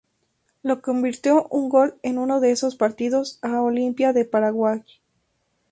Le convirtió un gol en uno de esos partidos a Olimpia de Paraguay.